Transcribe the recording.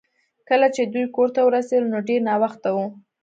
کله چې دوی کور ته ورسیدل نو ډیر ناوخته و